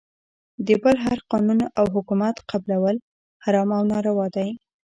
د بل هر قانون او حکومت قبلول حرام او ناروا دی .